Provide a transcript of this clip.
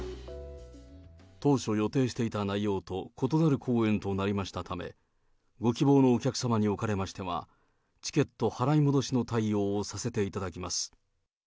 当初予定していた内容と異なる公演となりましたため、ご希望のお客様におかれましては、チケット払い戻しの対応をさせていただきます。